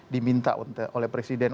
diminta oleh presiden